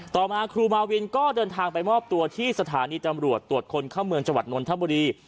ต่อมาครูมาวินก็เดินทางไปมอบตัวที่สถานีตำรวจตรวจคนเข้าเมืองจังหวัดนนทบุรี